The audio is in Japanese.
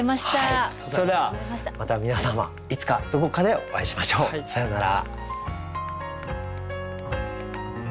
それではまた皆様いつかどこかでお会いしましょう。さようなら。